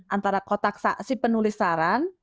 antara kotak saksi penulis saran